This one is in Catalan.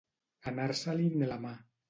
Anar-se-li'n la mà.